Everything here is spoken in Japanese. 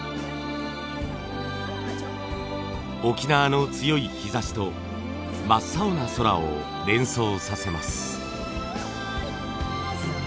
沖縄の強い日ざしと真っ青な空を連想させます。